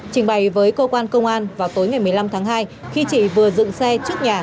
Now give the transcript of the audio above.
trình bày với cơ quan công an vào tối ngày một mươi năm tháng hai khi chị vừa dựng xe trước nhà